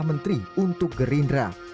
dari menteri untuk gerindra